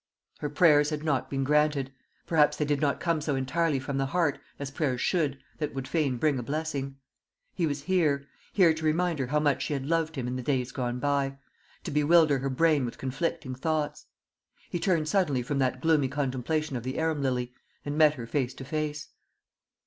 Her prayers had not been granted perhaps they did not come so entirely from the heart, as prayers should, that would fain bring a blessing. He was here; here to remind her how much she had loved him in the days gone by to bewilder her brain with conflicting thoughts. He turned suddenly from that gloomy contemplation of the arum lily, and met her face to face.